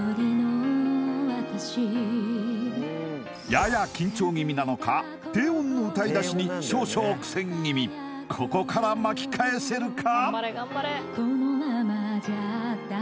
やや緊張気味なのか低音の歌いだしに少々苦戦気味ここから巻き返せるか？